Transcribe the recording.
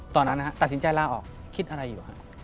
ตอนนั้นตัดสินใจลาออกคิดอะไรอยู่ฮะ